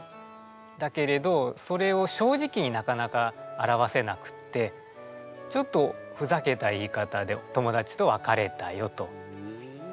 だけれどそれを正直になかなか表せなくってちょっとふざけた言い方で友達と別れたよと。